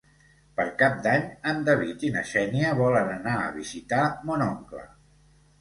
Per Cap d'Any en David i na Xènia volen anar a visitar mon oncle.